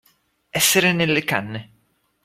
Essere nelle canne.